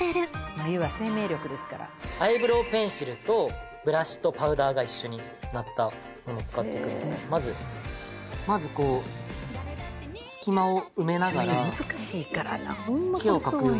「眉は生命力ですから」アイブロウペンシルとブラシとパウダーが一緒になったものを使っていくんですけど。まずまずこう隙間を埋めながら毛を描くように。